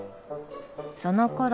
そのころ